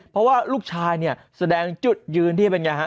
เพราะว่าลูกชายแสดงจุดยืนที่เป็นอย่างไร